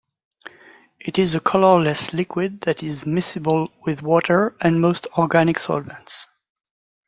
It is a colourless liquid that is miscible with water and most organic solvents.